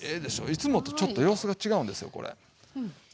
いつもとちょっと様子が違うんですよこれ。